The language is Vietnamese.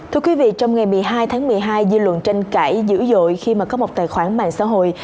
thưa quý vị trong ngày một mươi hai tháng một mươi hai dư luận tranh cãi dữ dội khi mà có một tài khoản mạng xã hội